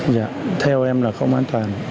dạ theo em là không an toàn